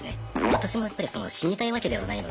私もやっぱり死にたいわけではないので。